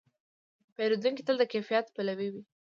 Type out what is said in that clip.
پیرودونکی تل د کیفیت پلوي وي.